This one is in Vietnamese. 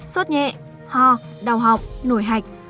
sốt nhẹ ho đau học nổi hạch